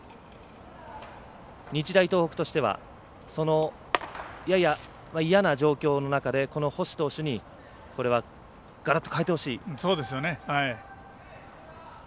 日大東北としては、その嫌な状況の中でこの星投手にこれは、がらっと変えてほしい。